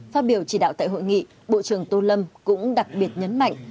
phát biểu chỉ đạo tại hội nghị bộ trưởng tô lâm cũng đặc biệt nhấn mạnh